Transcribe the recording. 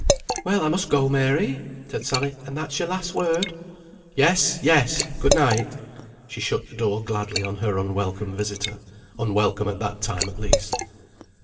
"Well, I must go, Mary," said Sally. "And that's your last word?" "Yes, yes; good night." She shut the door gladly on her unwelcome visitor unwelcome at that time at least.